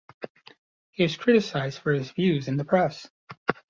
He was criticised for his views in the press.